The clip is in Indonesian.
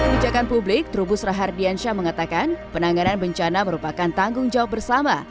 bijakan publik trubus rahardiansyah mengatakan penanganan bencana merupakan tanggung jawab bersama